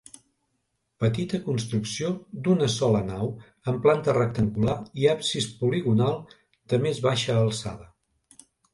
Petita construcció d'una sola nau amb planta rectangular i absis poligonal de més baixa alçada.